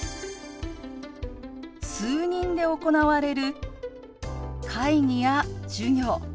数人で行われる会議や授業。